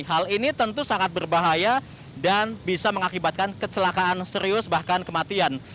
hal ini tentu sangat berbahaya dan bisa mengakibatkan kecelakaan serius bahkan kematian